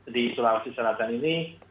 di sulawesi selatan ini